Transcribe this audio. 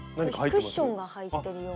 クッションが入ってるような。